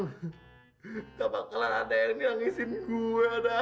nggak bakalan ada yang nirangisin gue dah